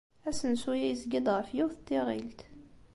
Asensu-a yezga-d ɣef yiwet n tiɣilt.